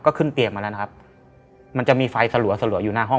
ก็ขึ้นเตียงมาแล้วนะครับมันจะมีไฟสลัวสลัวอยู่หน้าห้อง